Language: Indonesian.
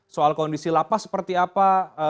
soal kondisi lapas seperti apa